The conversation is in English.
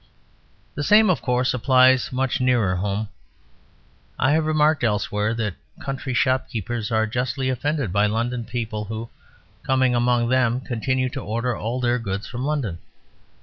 The same, of course, applies much nearer home. I have remarked elsewhere that country shopkeepers are justly offended by London people, who, coming among them, continue to order all their goods from London.